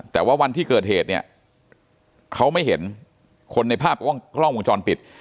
แต่ว่าวันที่เกิดเหตุเนี่ยเขาไม่เห็นคนในภาพกล้องวงจรปิด